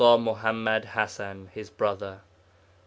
Muḥammad Hasan, his brother.